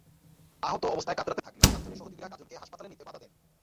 আহত অবস্থায় কাতরাতে থাকলেও কাঞ্চনের সহযোগীরা কাজলকে হাসপাতালে নিতে বাধা দেন।